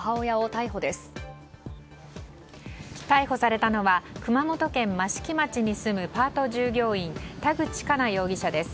逮捕されたのは熊本県益城町に住むパート従業員田口加奈容疑者です。